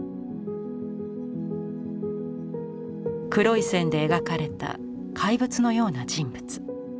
黒い線で描かれた怪物のような人物。